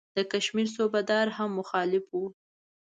د کشمیر صوبه دار هم مخالف وو.